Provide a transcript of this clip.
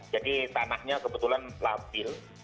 jadi tanahnya kebetulan lapil